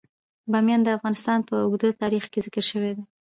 بامیان د افغانستان په اوږده تاریخ کې ذکر شوی دی.